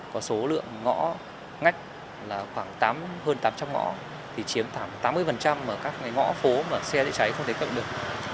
có số lượng ngõ ngách là khoảng hơn tám trăm linh ngõ thì chiếm khoảng tám mươi ở các ngõ phố mà xe chữa cháy không thể cập được